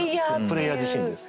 「プレイヤー自身」です。